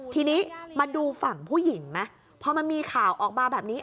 ทีนี้มาดูฝั่งผู้หญิงไหมพอมันมีข่าวออกมาแบบนี้